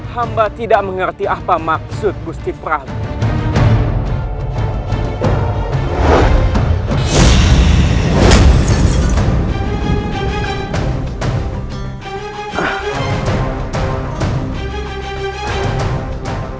hamba tidak mengerti apa maksud gusti frami